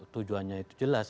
tujuannya itu jelas